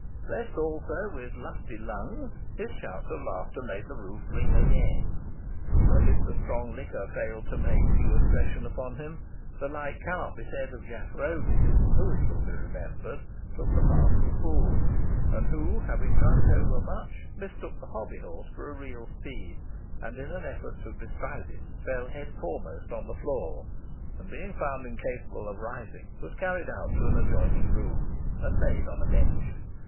Blessed also with lusty lungs, his shouts of laughter made the roof ring again. But if the strong liquor failed to make due impression upon him, the like cannot be said of Jack Roby, who, it will be remembered, took the part of the Fool, and who, having drunk overmuch, mistook the hobby horse for a real steed, and in an effort to bestride it, fell head foremost on the floor, and, being found incapable of rising, was carried out to an adjoining room, and laid on a bench.